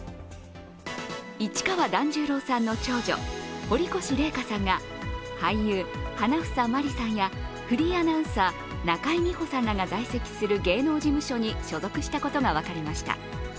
市川團十郎さんの長女、堀越麗禾さんが俳優・花總まりさんやフリーアナウンサー、中井美穂さんらが在籍する芸能事務所に所属したことが分かりました。